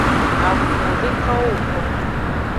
Avunwo dekawo woko.